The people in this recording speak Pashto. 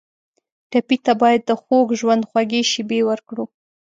ټپي ته باید د خوږ ژوند خوږې شېبې ورکړو.